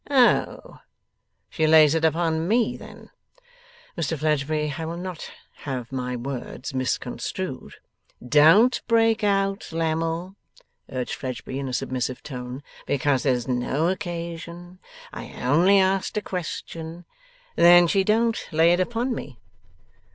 'Oh! She lays it upon me, then?' 'Mr Fledgeby, I will not have my words misconstrued.' 'Don't break out, Lammle,' urged Fledgeby, in a submissive tone, 'because there's no occasion. I only asked a question. Then she don't lay it upon me?